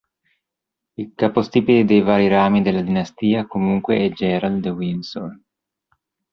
Il capostipite dei vari rami della dinastia comunque è Gerald de Windsor.